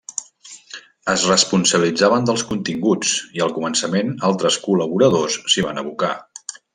Es responsabilitzaven dels continguts, i al començament altres col·laboradors s'hi van abocar.